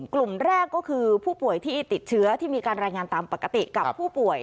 กลุ่มแรกก็คือผู้ป่วยที่ติดเชื้อที่มีการรายงานตามปกติกับผู้ป่วย